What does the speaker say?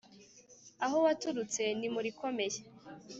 aho waturutse ni mu rikomeye